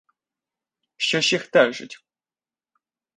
Що ж їх держить?